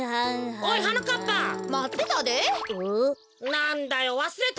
なんだよわすれたのかよ。